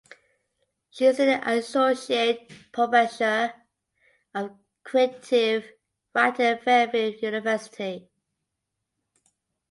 She is an associate professor of creative writing at Fairfield University.